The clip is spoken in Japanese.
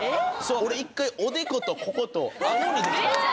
俺一回おでことこことアゴにできたんですよ。